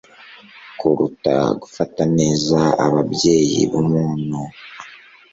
kuruta gufata neza ababyeyi b'umuntu;